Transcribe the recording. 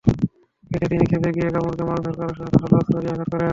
এতে তিনি খেপে গিয়ে কামরুলকে মারধর করাসহ ধারালো অস্ত্র দিয়ে আঘাত করেন।